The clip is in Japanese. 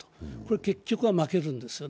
結局は負けるんです。